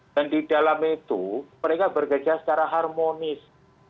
dan di dalam itu mereka bekerja secara harmonis